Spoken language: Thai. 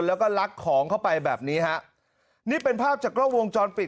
แล้วก็ลักของเข้าไปแบบนี้ฮะนี่เป็นภาพจากกล้องวงจรปิด